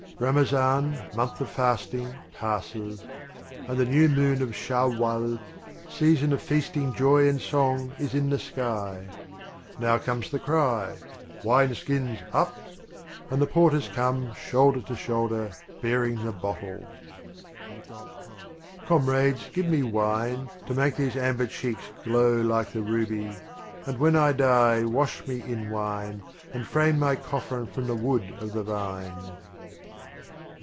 xc. Ramazan, Month of Fasting, passes, And the New Moon of Shawwal, Season of Feasting, Joy and Song, is in the Sky. Now comes the cry, "Wineskins up!" And the Porters come, shoulder to shoulder, bearing the Bottles. 80 The Literal Omar xci. Comrades, give me Wine To make these amber cheeks glow like the Ruby; And when I die, wash me in Wine And frame my Coffin from the Wood of the Vine.